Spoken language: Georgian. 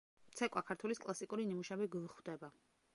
ცეკვა ქართულის კლასიკური ნიმუშები გვხვდება.